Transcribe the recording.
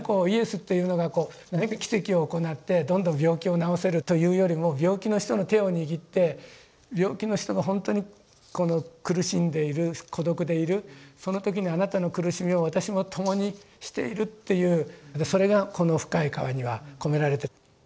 イエスっていうのがこう何か奇跡を行ってどんどん病気を治せるというよりも病気の人の手を握って病気の人がほんとにこの苦しんでいる孤独でいるその時にあなたの苦しみを私も共にしているっていうそれがこの「深い河」には込められて。